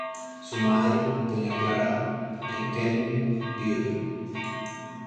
Su madre, Doña Clara Riquelme Vda.